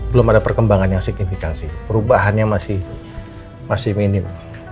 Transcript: belum ada perkembangan yang signifikansi perubahannya masih minim